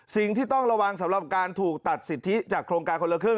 สิ่งที่ต้องระวังสำหรับการถูกตัดสิทธิจากโครงการคนละครึ่ง